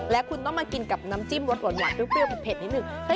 และคุณต้องมากินกับน้ำจิ้มรสหวานเปรี้ยวเผ็ดนิดนึง